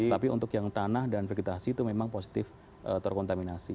tapi untuk yang tanah dan vegetasi itu memang positif terkontaminasi